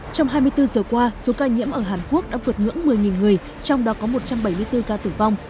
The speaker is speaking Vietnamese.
trong hai mươi bốn giờ qua số ca nhiễm ở hàn quốc đã vượt ngưỡng một mươi người trong đó có một trăm bảy mươi bốn ca tử vong